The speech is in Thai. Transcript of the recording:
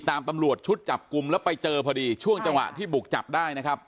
ตำรวจชุดจับกลุ่มแล้วไปเจอพอดีช่วงจังหวะที่บุกจับได้นะครับ